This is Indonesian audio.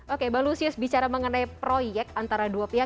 oke bang lusius bicara mengenai proyek antara dua pihak